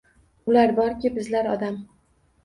Ular borki — bizlar odam